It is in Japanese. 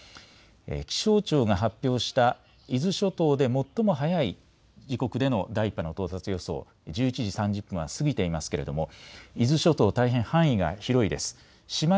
気象庁が発表した伊豆諸島で最も早い時刻での第１波の到達予想、１１時３０分が過ぎてますけれども伊豆諸島、大変範囲が広いです。